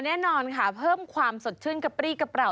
แน่นอนค่ะเพิ่มความสดชื่นกระปรี้กระเป๋า